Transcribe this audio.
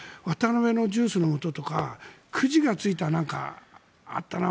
ジュースのもととかくじがついたのとかあったな。